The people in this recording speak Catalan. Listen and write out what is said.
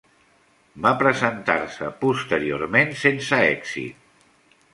Va presentar-se posteriorment sense èxit.